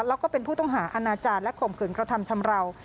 แล้วก็เป็นผู้ต้องหาอาณาจารย์และข่มขืนกระทำชำราว